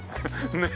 ねえ。